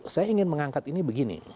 saya ingin mengangkat ini begini